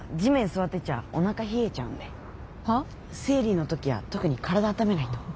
生理の時は特に体あっためないと。